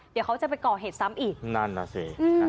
เดี๋ยวเขาจะไปก่อเหตุซ้ำอีกนั่นน่ะสิ